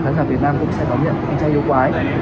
khán giả việt nam cũng sẽ đồng nhận anh trai yêu quái